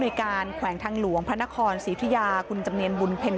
ในการแขวงทางหลวงพระนครศรีธุยาคุณจำเนียนบุญเพ็ญ